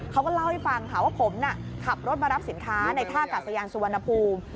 เขาก็เล่าให้ฟังค่ะว่าผมขับรถมารับสินค้าในท่ากาศยานสุวรรณภูมิ